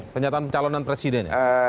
pernyataan calonan presiden